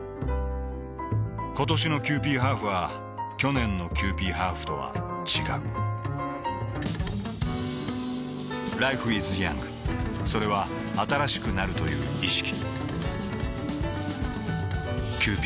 ことしのキユーピーハーフは去年のキユーピーハーフとは違うＬｉｆｅｉｓｙｏｕｎｇ．それは新しくなるという意識